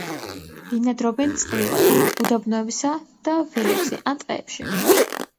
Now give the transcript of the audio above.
ბინადრობენ წყვილად უდაბნოებსა და ველებზე ან ტყეებში.